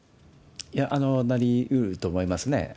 いや、なりうると思いますね。